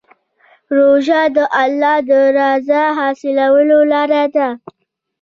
روژه د الله د رضا حاصلولو لاره ده.